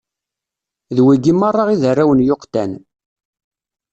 D wigi meṛṛa i d arraw n Yuqtan.